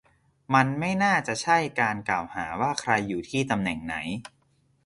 มันไม่น่าจะใช่การกล่าวหาว่า ใครอยู่ที่ตำแหน่งไหน